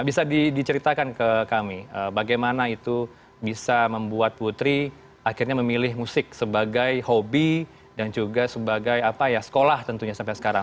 bisa diceritakan ke kami bagaimana itu bisa membuat putri akhirnya memilih musik sebagai hobi dan juga sebagai apa ya sekolah tentunya sampai sekarang